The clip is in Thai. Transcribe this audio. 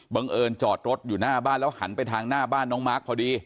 เอิญจอดรถอยู่หน้าบ้านแล้วหันไปทางหน้าบ้านน้องมาร์คพอดี